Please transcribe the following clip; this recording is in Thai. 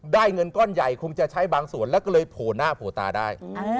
เงินก้อนใหญ่คงจะใช้บางส่วนแล้วก็เลยโผล่หน้าโผล่ตาได้